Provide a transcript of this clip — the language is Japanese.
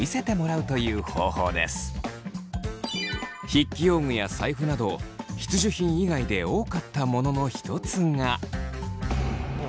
筆記用具や財布など必需品以外で多かったものの一つが。